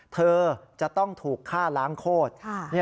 เธอจะต้องถูกฆ่าล้างโคตร